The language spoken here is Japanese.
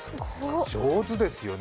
上手ですよね。